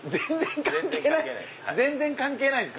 全然関係ないんすか？